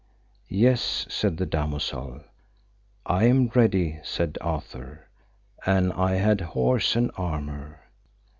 Yes, said the damosel. I am ready, said Arthur, an I had horse and armour.